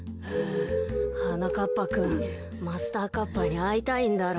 はなかっぱくんマスターカッパーにあいたいんだろ。